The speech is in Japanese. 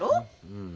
うん。